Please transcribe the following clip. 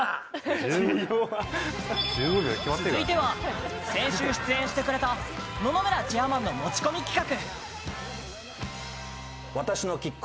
続いては先週出演してくれた野々村チェアマンの持ち込み企画。